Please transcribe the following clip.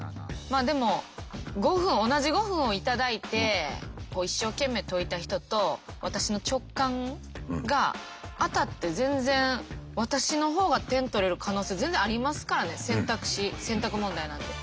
でも５分同じ５分を頂いて一生懸命解いた人と私の直感が当たって全然私の方が点取れる可能性全然ありますからね選択肢選択問題なんで。